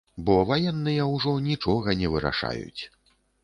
Бо ваенныя ўжо нічога не вырашаюць.